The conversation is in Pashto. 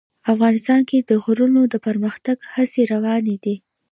افغانستان کې د غرونه د پرمختګ هڅې روانې دي.